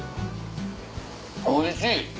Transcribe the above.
おいしい。